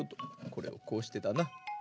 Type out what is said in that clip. これをこうしてだな。